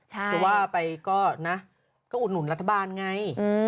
หรือว่าจะไปก็อะแล้วก็อุ่นรัฐบาลไง